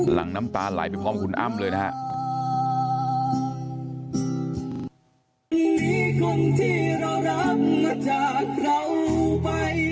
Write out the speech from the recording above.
หลังน้ำตาไหลไปพร้อมคุณอ้ำเลยนะฮะ